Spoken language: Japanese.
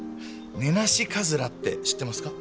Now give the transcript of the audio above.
ネナシカズラって知ってますか？